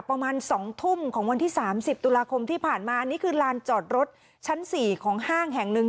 ประมาณ๒ทุ่มของวันที่๓๐ตุลาคมที่ผ่านมานี่คือลานจอดรถชั้น๔ของห้างแห่งหนึ่ง